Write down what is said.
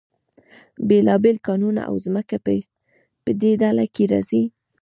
بیلابیل کانونه او ځمکه هم په دې ډله کې راځي.